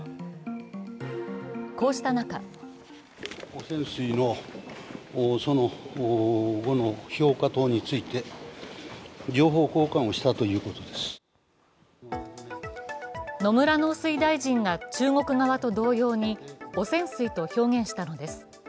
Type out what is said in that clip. こうした中野村農水大臣が中国側と同様に汚染水と表現したのです。